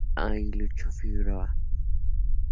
Allí luchó Figueroa.